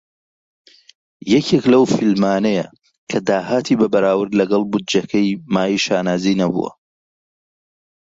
یەکێک لەو فیلمانەیە کە داهاتی بە بەراورد لەگەڵ بودجەکەی مایەی شانازی نەبووە.